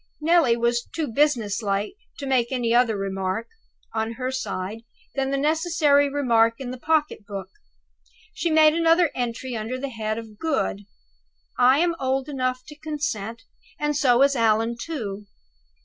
Neelie was too business like to make any other remark, on her side, than the necessary remark in the pocket book. She made another entry under the head of "Good": "I am old enough to consent, and so is Allan too.